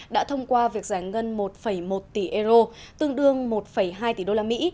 đã thông qua việc giải ngân một một tỷ euro tương đương một hai tỷ đô la mỹ